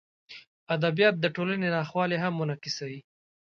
ادبیات د ټولنې ناخوالې هم منعکسوي.